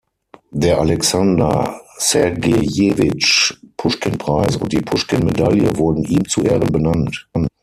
Der Alexander-Sergejewitsch-Puschkin-Preis und die Puschkin-Medaille wurden ihm zu Ehren benannt.